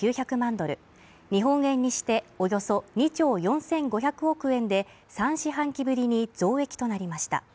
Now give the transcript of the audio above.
ドル日本円にしておよそ２兆４５００億円で、３四半期ぶりに増益となりました。